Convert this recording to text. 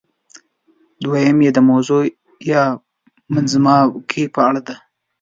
دویم یې د موضوع یا منځپانګې په اړه ده.